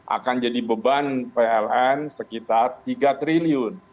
akan jadi beban pln sekitar tiga triliun